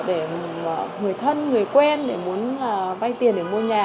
để người thân người quen để muốn vay tiền để mua nhà